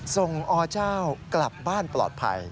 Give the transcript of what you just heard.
อเจ้ากลับบ้านปลอดภัย